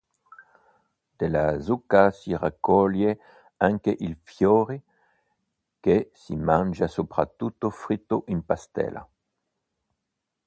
Della zucca si raccoglie anche il fiore, che si mangia soprattutto fritto in pastella.